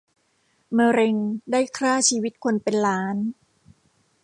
มะเร็งได้คร่าชีวิตคนเป็นล้าน